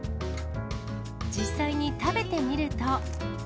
実際に食べてみると。